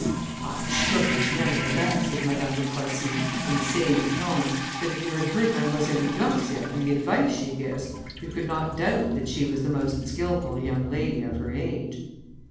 "I assure you, nevertheless," said Madame de Croissy, in the same tone, "that if you had heard Mademoiselle Eudoxia, and the advice she gives, you could not doubt that she was the most skilful young lady of her age."